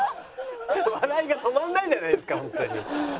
笑いが止まらないじゃないですかホントに。